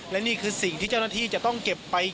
และนี่คือสิ่งที่เจ้าหน้าที่จะต้องเก็บไป